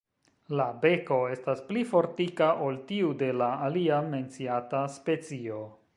La beko estas pli fortika ol tiu de la alia menciata specio.